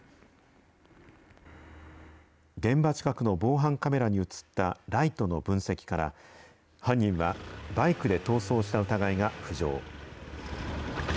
現場近くの防犯カメラに写ったライトの分析から、犯人はバイクで逃走した疑いが浮上。